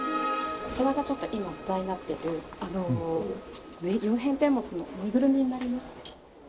こちらがちょっと今話題になってる「曜変天目」のぬいぐるみになります。